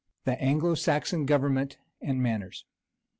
THE ANGLO SAXON GOVERNMENT AND MANNERS.